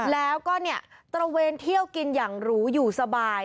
แล้วก็เนี่ยตระเวนเที่ยวกินอย่างหรูอยู่สบาย